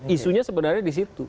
isunya sebenarnya disitu